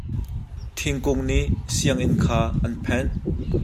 Thingkung nih sianginn kha an phenh.